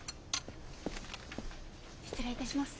失礼いたします。